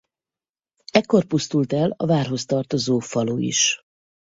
Ekkor pusztult el a várhoz tartozó falu is.